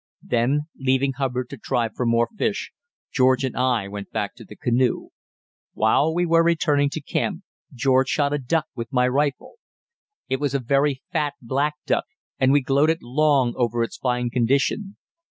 Then, leaving Hubbard to try for more fish, George and I went back to the canoe. While we were returning to camp, George shot a duck with my rifle. It was a very fat black duck, and we gloated long over its fine condition.